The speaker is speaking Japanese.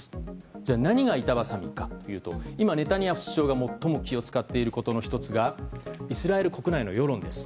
じゃあ、何が板挟みかというと今、ネタニヤフ首相が最も気を使っていることの１つがイスラエル国内の世論です。